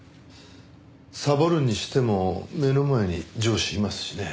サボるにしても目の前に上司いますしね。